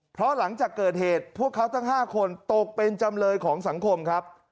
เพราะหลังจากเกิดเหตุพวกเขาทั้ง๕คนตกเป็นจำเลยของสังคมครับ